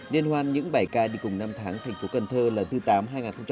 liên hoan những bài ca đi cùng năm tháng thành phố cần thơ lần thứ tám năm hai nghìn một mươi sáu